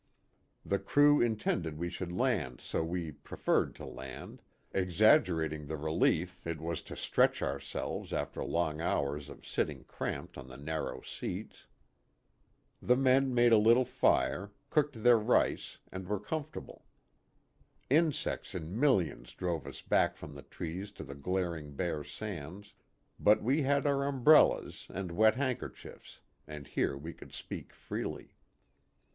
The crew intended we should land so we " preferred" to land exaggerating the relief it was to stretch ourselves after long hours of sitting cramped on the narrow seats. The men made a little fire, cooked their rice, and were comfortable. Insects in millions drove us back from the trees to the glaring bare sands, but we had our umbrellas and wet hand kerchiefs, and here we could speak freely.